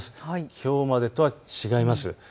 きょうまでとは違います。